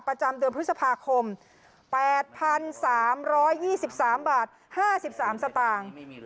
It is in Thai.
ประจำเดือนพฤษภาคมแปดพันสามร้อยยี่สิบสามบาทห้าสิบสามสตางค์